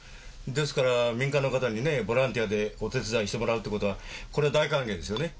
ですから民間の方にねぇボランティアでお手伝いしてもらうって事はこりゃ大歓迎ですよね。